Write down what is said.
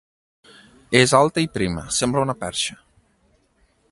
És alta i prima: sembla una perxa.